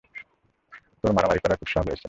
তোর মারামারি করার খুব শখ হয়েছে।